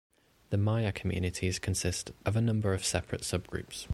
The mire communities consist of a number of separate subgroups.